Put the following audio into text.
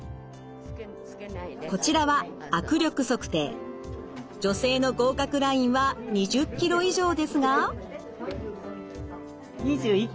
こちらは女性の合格ラインは２０キロ以上ですが。